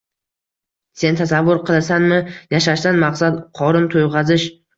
Sen tasavvur qilasanmi: yashashdan maqsad — qorin to‘yg‘azish